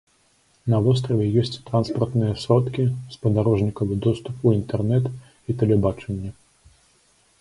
На востраве ёсць транспартныя сродкі, спадарожнікавы доступ у інтэрнэт і тэлебачанне.